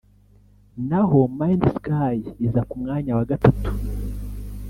naho MindSky iza ku mwanya wa gatatu